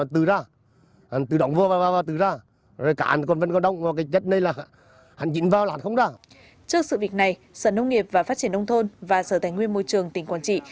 trước sự việc này sở nông nghiệp và phát triển nông thôn và sở tài nguyên môi trường tỉnh quảng trị